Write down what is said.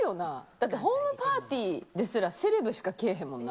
だってホームパーティーですら、セレブしかけえへんもんな。